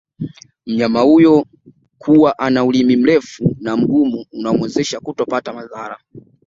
Mnyama huyo kuwa ana Ulimi mrefu na Mgumu unamwezesha kutopata madhara